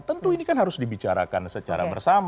tentu ini kan harus dibicarakan secara bersama